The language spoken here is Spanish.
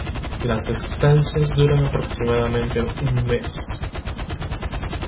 Las estancias duran aproximadamente un mes.